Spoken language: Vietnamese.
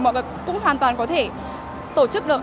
mọi người cũng hoàn toàn có thể tổ chức được